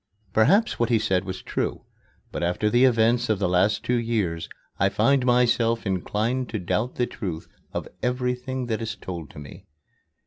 Perhaps what he said was true, but after the events of the last two years I find myself inclined to doubt the truth of everything that is told me.